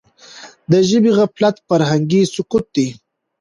د ژبي غفلت فرهنګي سقوط دی.